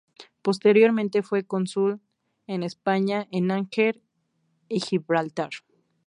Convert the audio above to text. Posteriormente fue cónsul de España en Argel y Gibraltar.